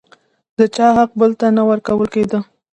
د چا حق بل ته نه ورکول کېده.